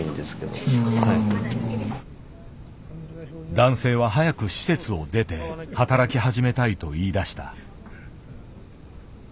男性は早く施設を出て働き始めたいと言いだした。